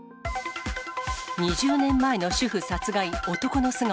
２０年前の主婦殺害、男の素顔。